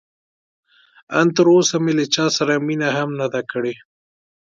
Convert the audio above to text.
ان تراوسه مې له چا سره مینه هم نه ده کړې.